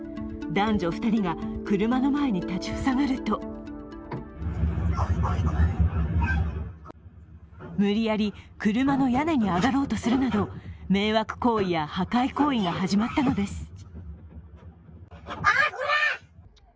男女２人が車の前に立ち塞がると無理やり車の屋根に上がろうとするなど、迷惑行為や破壊行為が始まったのです。